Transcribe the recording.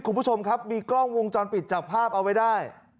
คุณผู้ชมครับมีกล้องวงจรปิดจับภาพเอาไว้ได้